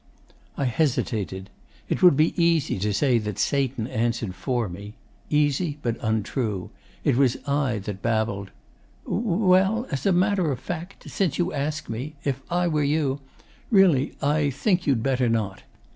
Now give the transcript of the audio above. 'I hesitated. It would be easy to say that Satan answered FOR me; easy but untrue; it was I that babbled: "Well as a matter of fact since you ask me if I were you really I think you'd better not.